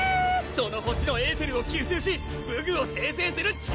その星のエーテルを吸収し武具を生成する力！